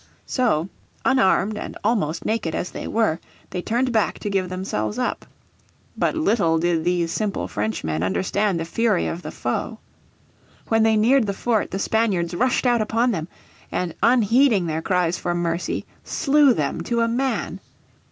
So unarmed and almost naked as they were, they turned back to give themselves up. But little did these simple Frenchmen understand the fury of the foe. When they neared the fort the Spaniards rushed out upon them and, unheeding their cries for mercy, slew them to a man.